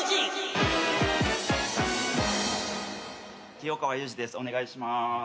清川雄司ですお願いします。